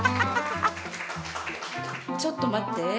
ちょっと待って！